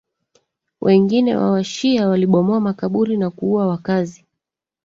wengine wa Washia Walibomoa makaburi na kuua wakazi